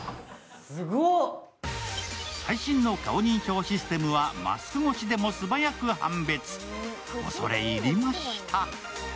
最新の顔認証システムはマスク越しでもすばやく判別、恐れ入りました。